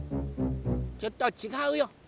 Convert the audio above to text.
ちょっとちがうよ。